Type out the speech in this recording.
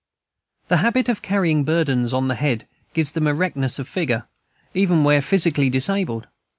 The habit of carrying burdens on the head gives them erectness of figure, even where physically disabled.